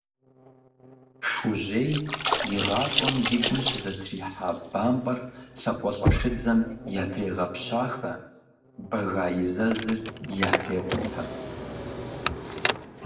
Шужьей и гъащӀэм и гум щызэтрихьа бампӀэр лӀакъуэлӀэшыдзэм ятрегъэпщахэ, бэга и зэзыр ятрекъутэ.